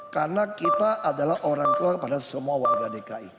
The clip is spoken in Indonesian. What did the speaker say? karena kita adalah orang tua kepada semua warga dki